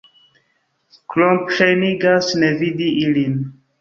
Klomp ŝajnigas ne vidi ilin.